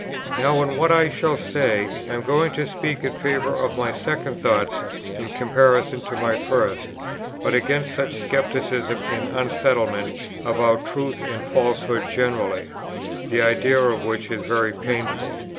Now in what I shall say, I am not going to speak in favour of my second thoughts in comparison of my first, but against such scepticism and unsettlement about truth and falsehood generally, the idea of which is very painful.